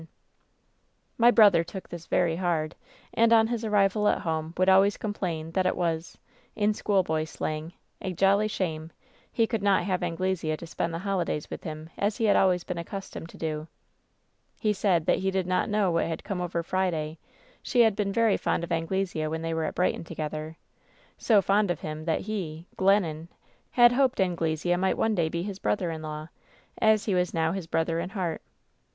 WHEN SHADOWS DIE 817 "My brother took this very hard, and on his arrival at home would always complain that it was — in school boy slang — ^^a jolly shame' he could not have Anglesea to spend the holidays with him as he had always been accustomed to do. "He said that he did not know what had come over 'Friday.' She had been very fond of Anglesea when they were at Brighton together. So fond of him that he — Glennon — ^had hoped Anglesea mi^t one day be his brother in law, as he was now his brother in heart.